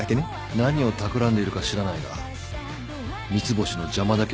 何をたくらんでいるか知らないが三ツ星の邪魔だけは許さないからな。